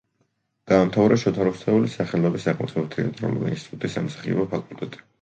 დაამთავრა შოთა რუსთაველის სახელობის სახელმწიფო თეატრალური ინსტიტუტის სამსახიობო ფაკულტეტი.